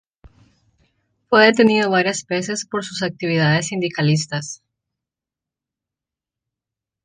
Fue detenido varias veces por sus actividades sindicalistas.